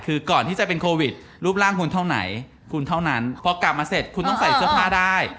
คือก่อนที่จะเป็นโควิดรูปร่างคุณเท่าไหนคุณเท่านั้นพอกลับมาเสร็จคุณต้องใส่เสื้อผ้าได้